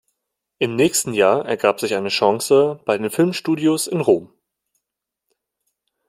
Im nächsten Jahr ergab sich eine Chance bei den Filmstudios in Rom.